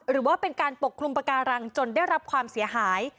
หรือว่าเป็นการปกคลุมปาการังจนได้รับความเสียหาย